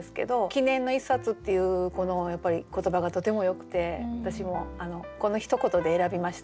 「記念の一冊」っていうこのやっぱり言葉がとてもよくて私もこのひと言で選びました。